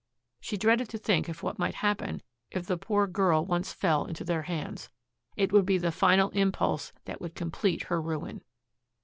She dreaded to think of what might happen if the poor girl once fell into their hands. It would be the final impulse that would complete her ruin.